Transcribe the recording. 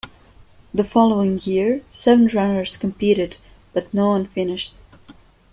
The following year seven runners competed but no one finished.